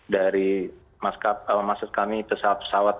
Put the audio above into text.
dari maksud kami pesawat pesawat